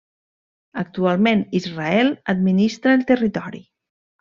Actualment Israel administra el territori.